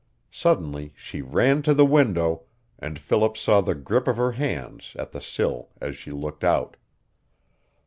Suddenly she ran to the window, and Philip saw the grip of her hands at the sill as she looked out.